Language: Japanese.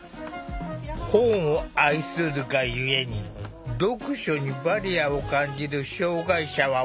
本を愛するがゆえに読書にバリアを感じる障害者は多い。